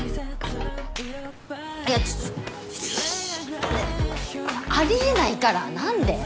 いやちょっとありえないからなんで？